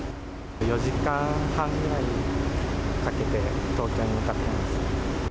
４時間半ぐらいかけて東京に向かっています。